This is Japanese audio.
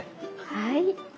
はい。